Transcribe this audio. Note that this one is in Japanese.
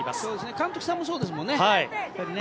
監督さんもそうですよね。